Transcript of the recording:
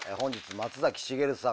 松崎しげるさん。